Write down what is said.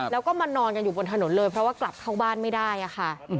แล้วก็มานอนกันอยู่บนถนนเลยเพราะว่ากลับเข้าบ้านไม่ได้ค่ะ